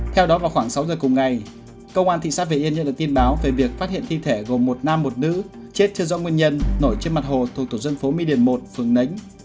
theo đó vào khoảng sáu giờ cùng ngày công an thị xác vị yên nhận được tin báo về việc phát hiện thi thể gồm một nam một nữ chết chưa rõ nguyên nhân nổi trên mặt hồ thuộc tổ dân phố mi điền một phường nánh